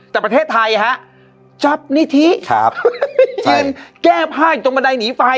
แต่ประเทศไทยฮะจ๊อปนิธิครับยืนแก้ผ้าอยู่ตรงบันไดหนีไฟ